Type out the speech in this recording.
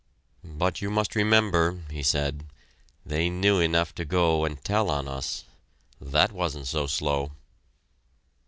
"But you must remember," he said, "they knew enough to go and tell on us. That wasn't so slow."